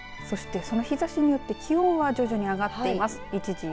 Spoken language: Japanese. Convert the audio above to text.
そしてその日ざしによって気温は徐々に上がっています。